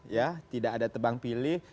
ya tidak ada tebang pilih